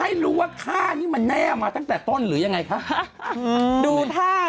ให้รู้ว่าข้านี่มันแน่มาตั้งแต่ต้นหรือยังไงครับ